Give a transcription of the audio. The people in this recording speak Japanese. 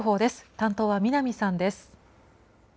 担当は南さんです。